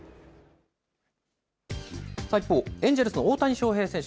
一方、エンジェルスの大谷翔平選手。